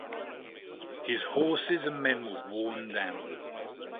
His horses and men were worn down.